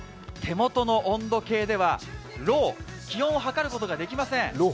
手元の温度計ではＬＯ、はかることができません。